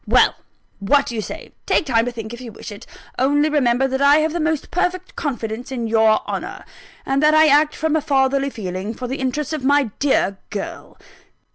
Well, what do you say? take time to think, if you wish it only remember that I have the most perfect confidence in your honour, and that I act from a fatherly feeling for the interests of my dear girl!"